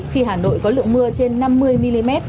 khi hà nội có lượng mưa trên năm mươi mm